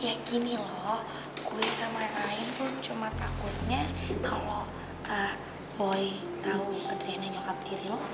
ya gini loh gue sama nain tuh cuma takutnya kalau boy tau adriana nyokap diri lo